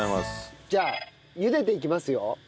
じゃあゆでていきますよ。